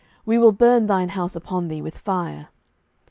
we will burn thine house upon thee with fire.